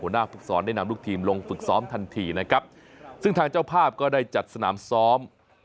หน้าฝึกสอนได้นำลูกทีมลงฝึกซ้อมทันทีนะครับซึ่งทางเจ้าภาพก็ได้จัดสนามซ้อม